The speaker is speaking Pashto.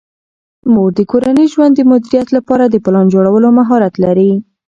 مور د کورني ژوند د مدیریت لپاره د پلان جوړولو مهارت لري.